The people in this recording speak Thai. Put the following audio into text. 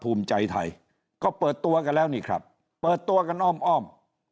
ภูมิใจไทยก็เปิดตัวกันแล้วนี่ครับเปิดตัวกันอ้อมอ้อม